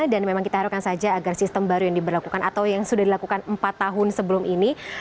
dan memang kita harapkan saja agar sistem baru yang diberlakukan atau yang sudah dilakukan empat tahun sebelum ini